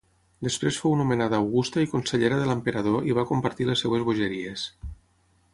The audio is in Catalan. Després fou nomenada augusta i consellera de l'emperador i va compartir les seves bogeries.